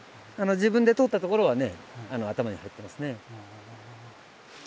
自分で通ったところはね頭に入ってますね。